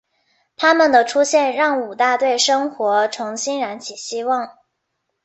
她们的出现让武大对生活重新燃起希望。